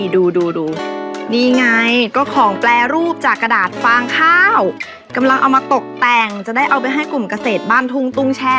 เดี๋ยวหนูขอตัวไปทำบัญชีก่อนนะจ๊ะ